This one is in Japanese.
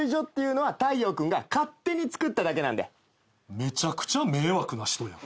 めちゃくちゃ迷惑な人やん。